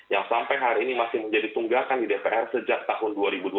yang sampai hari ini masih menjadi tunggakan di dpr sejak tahun dua ribu dua puluh